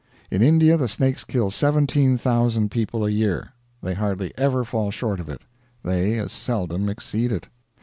In India the snakes kill 17,000 people a year; they hardly ever fall short of it; they as seldom exceed it.